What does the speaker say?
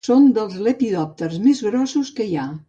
Són dels lepidòpters més grossos que hi ha.